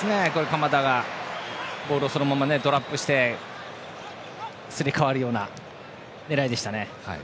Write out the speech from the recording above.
鎌田がボールをそのままトラップして入れ変わるような狙いでした。